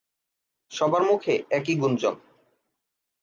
সবার মুখে একই গুঞ্জন।